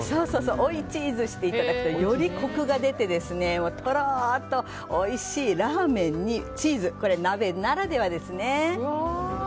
追いチーズしていただくとよりコクが出てとろーっとおいしいラーメンにチーズ鍋ならではですね。